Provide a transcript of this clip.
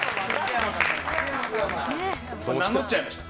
名乗っちゃいました。